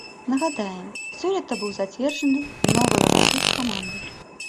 Нагадаем, сёлета быў зацверджаны новы лагатып каманды.